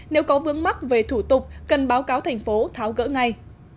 nếu có vướng mắc về thủ tục cần báo cáo thành phố tháo gỡ ngay